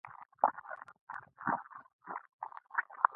آیا کله چې تیل ګران شي کاناډا ګټه نه کوي؟